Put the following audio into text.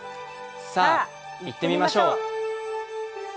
さあ、いってみましょう。